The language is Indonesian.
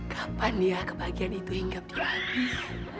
kapan ya kebahagiaan itu hingga di habis